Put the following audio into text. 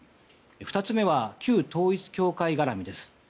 ２つ目は旧統一教会絡みです。